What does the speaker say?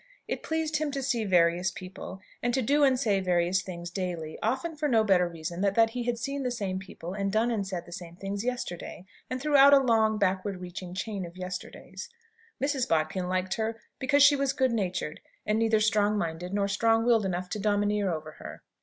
It pleased him to see various people, and to do and say various things daily, often for no better reason than that he had seen the same people, and done and said the same things yesterday, and throughout a long, backward reaching chain of yesterdays. Mrs. Bodkin liked her because she was good natured, and neither strong minded nor strong willed enough to domineer over her.